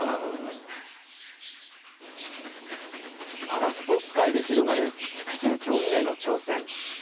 パラスポーツ界で広がる複数競技への挑戦。